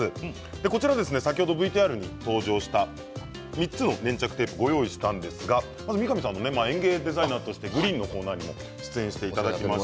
こちら先ほどＶＴＲに登場した３つの粘着テープを用意したんですが三上さん、園芸デザイナーとしてグリーンのコーナーにもご出演いただいています。